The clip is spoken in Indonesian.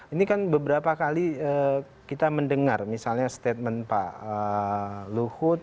ini kan beberapa kali kita mendengar misalnya statement pak luhut